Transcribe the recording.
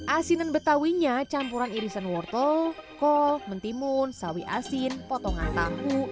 asinan betawinya campuran irisan wortel kol mentimun sawi asin potongan tahu